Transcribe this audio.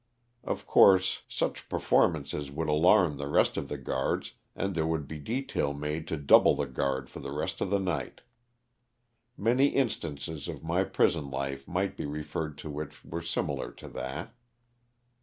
Of course such perform ances would alarm the rest of the guards and there would be a detail made to double the guard for the rest of the night. Many instances of my prison life might be referred to which were similar to that.